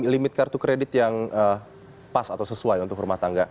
limit kartu kredit yang pas atau sesuai untuk rumah tangga